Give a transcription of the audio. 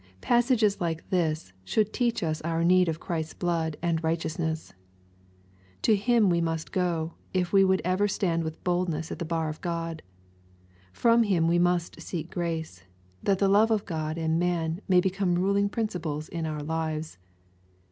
Passages like this, should teach us our need of Christ^s blood and righteousness. To Him we must go, if we would ever stand with boldness at the bar of God. ) From Him we must. seek grace, that the love of God and man may become ruling principles of our lives.